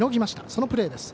そのプレーです。